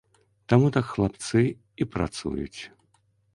Таму так хлапцы і працуюць.